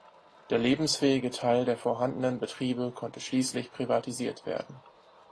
Der lebensfähige Teil der vorhandenen Betriebe konnte schließlich privatisiert werden.